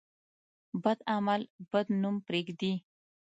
بد عمل بد نوم پرېږدي.